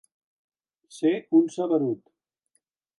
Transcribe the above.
Ser un saberut.